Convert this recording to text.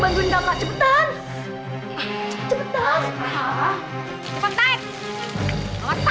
mungkin juga seharusnya